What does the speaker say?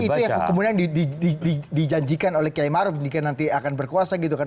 tapi itu kemudian dijanjikan oleh qiyai ma'ruf jika nanti akan berkuasa gitu kan